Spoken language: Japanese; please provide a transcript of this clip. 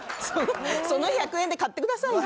その１００円で買ってくださいよ。